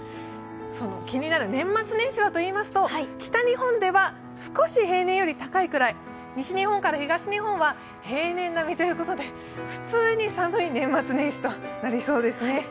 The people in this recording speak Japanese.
その気になる年末年始といいますと北日本では少し平年より寒いくらい西日本から東日本は平年並みということで普通に寒い年末年始となりそうですね。